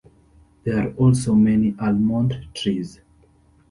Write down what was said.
There are also many almond trees.